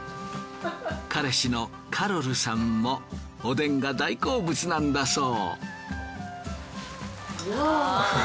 彼氏のカロルさんもおでんが大好物なんだそう。